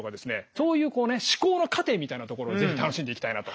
そういうこうね思考の過程みたいなところを是非楽しんでいきたいなと。